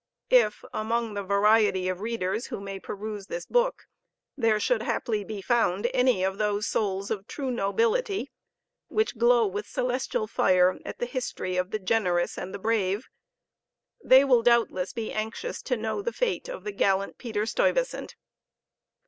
If, among the variety of readers who may peruse this book, there should haply be found any of those souls of true nobility, which glow with celestial fire at the history of the generous and the brave, they will doubtless be anxious to know the fate of the gallant Peter Stuyvesant.